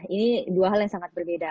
ini dua hal yang sangat berbeda